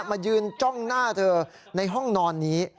มายืนจ้องหน้าเธอในห้องนอนนี้